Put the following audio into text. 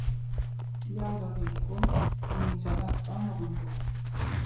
Llaura bé i fons i menjaràs pa amb abundor.